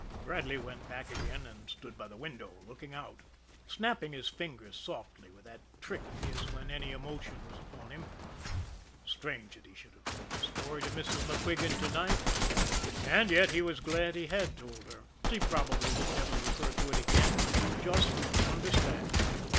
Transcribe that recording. Bradley went back again and stood by the window, looking out, snapping his fingers softly with that trick of his when any emotion was upon him. Strange that he should have told his story to Mrs. MacQuigan to night! And yet he was glad he had told her; she probably would never refer to it again just understand.